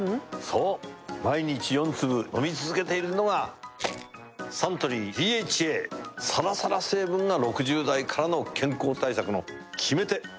そう毎日４粒飲み続けているのがサントリー「ＤＨＡ」サラサラ成分が６０代からの健康対策の決め手！